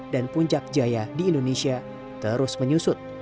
dan puncak jaya di indonesia terus menyusut